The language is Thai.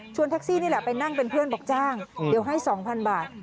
แท็กซี่นี่แหละไปนั่งเป็นเพื่อนบอกจ้างเดี๋ยวให้๒๐๐๐บาท